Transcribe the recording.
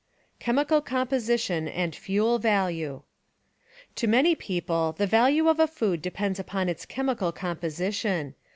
* Chemical Composition and Fuel Value To many people the value of a food depends upon its chemical composition.